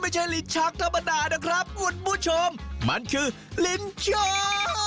ไม่ใช่ลิ้นชักธรรมดานะครับคุณผู้ชมมันคือลิ้นโชค